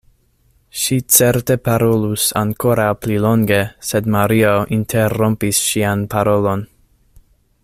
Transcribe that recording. Ŝi certe parolus ankoraŭ pli longe, sed Mario interrompis ŝian parolon.